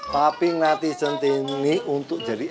papi ngelati centi ini untuk jadi adiknya